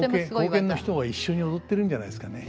後見の人が一緒に踊ってるんじゃないですかね。